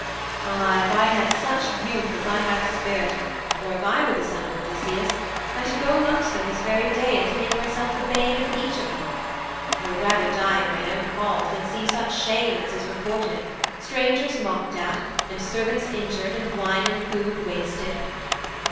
Ah, if I had such youth as I have spirit, or if I were the son of Odysseus, I should go amongst them this very day, and make myself the bane of each man of them. I would rather die in mine own halls than see such shame as is reported strangers mocked at, and servants injured, and wine and food wasted.'